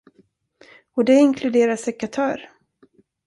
Och det inkluderar sekatör.